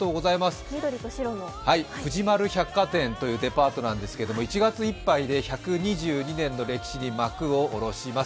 藤丸百貨店というデパートなんですけれども１月いっぱいで１２２年の歴史に幕を下ろします。